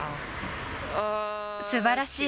すばらしい。